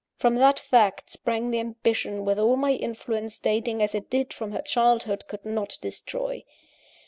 From that fact sprang the ambition which all my influence, dating as it did from her childhood, could not destroy.